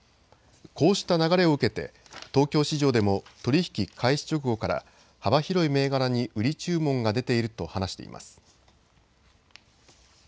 こうした流れを受けて東京市場でも取り引き開始直後から幅広い銘柄に売り注文が出ていると話しています。